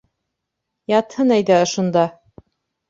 Ятһын әйҙә ошонда.